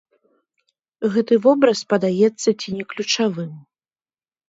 Гэты вобраз падаецца ці не ключавым.